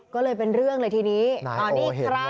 ก็เลยเป็นเรื่องเลยทีนี้นายโอเห็นว่า